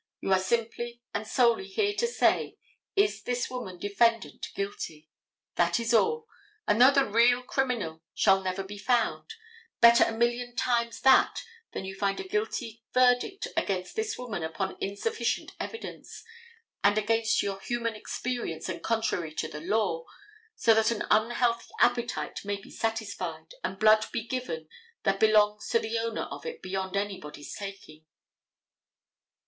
You are simply and solely here to say, is this woman defendant guilty? That is all, and though the real criminal shall never be found, better a million times that than you find a verdict against this woman upon insufficient evidence and against your human experience and contrary to the law, so that an unhealthy appetite may be satisfied, and blood be given that belongs to the owner of it beyond anybody's taking.